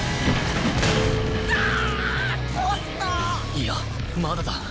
いやまだだ